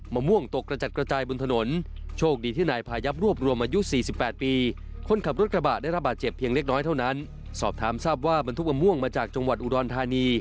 ส่วนที่จังหวัดเลยเกิดวุฒิรถรถกระบาทบรรทุกอำมวงมาเต็มคัน